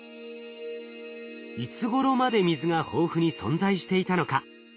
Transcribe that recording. いつごろまで水が豊富に存在していたのか？